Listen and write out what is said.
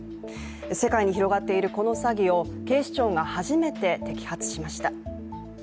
世界に広がっているこの詐欺を警視庁が初めて摘発しました。